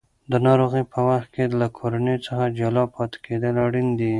د ناروغۍ په وخت کې له کورنۍ څخه جلا پاتې کېدل اړین دي.